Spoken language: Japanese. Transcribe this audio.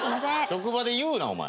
職場で言うなお前。